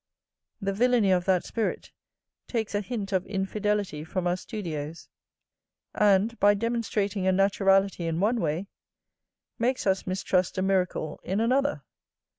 The villany of that spirit takes a hint of infidelity from our studios; and, by demonstrating a naturality in one way, makes us mistrust a miracle in another.